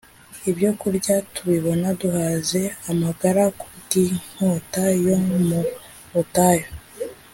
Ibyokurya tubibona duhaze amagara, Ku bw’inkota yo mu butayu.